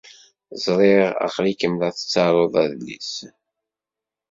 Ẓṛiɣ aql-ikem la tettaruḍ adlis.